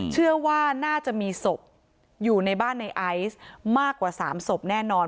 เชื่อว่าน่าจะมีศพอยู่ในบ้านในไอซ์มากกว่า๓ศพแน่นอน